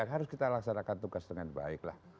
yang harus kita laksanakan tugas dengan baik lah